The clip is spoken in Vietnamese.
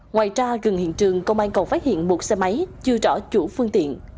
ngoài ra gần hiện trường công an còn phát hiện một xe máy chưa rõ chủ phương tiện